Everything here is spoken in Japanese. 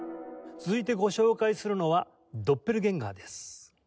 続いてご紹介するのは『ドッペルゲンガー』です。